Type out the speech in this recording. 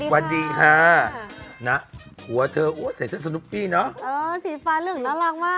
สวัสดีค่ะนะผัวเธอใส่เสื้อสนุกปปี้เนอะเออสีฟ้าเหลืองน่ารักมาก